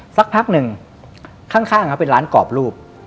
สักพักหนึ่งข้างเขาเป็นร้านกรอบรูป